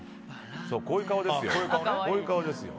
そう、こういう顔ですよ。